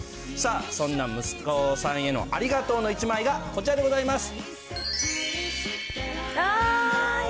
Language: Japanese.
そんな息子さんへのありがとうの１枚が、こちらでございます。